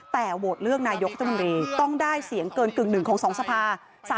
แต่โหวตเลือกนายกรัฐมนตรีต้องได้เสียงเกินกึ่งหนึ่งของ๒สภา